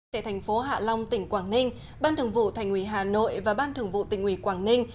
tại thành phố hạ long tỉnh quảng ninh ban thường vụ thành ủy hà nội và ban thường vụ tỉnh ủy quảng ninh